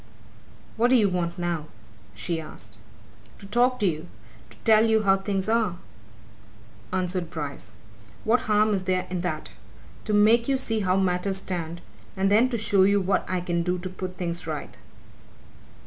"What do you want now?" she asked. "To talk to you to tell you how things are," answered Bryce. "What harm is there in that? To make you see how matters stand, and then to show you what I can do to put things right."